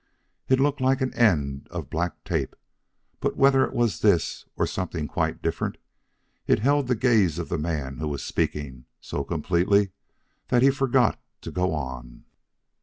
It looked like an end of black tape; but whether it was this or something quite different, it held the gaze of the man who was speaking, so completely that he forgot to go on.